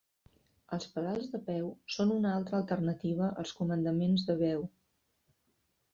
Els pedals de peu són una altra alternativa als comandaments de veu.